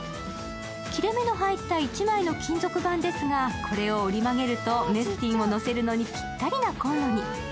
切れ目の入った１枚の金属板ですがこれを折り曲げるとメスティンを載せるのにぴったりなコンロに。